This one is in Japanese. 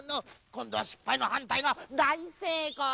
こんどはしっぱいのはんたいはだいせいこうなのじゃ。